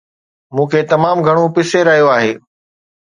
مون کي تمام گهڻو پسي رهيو آهي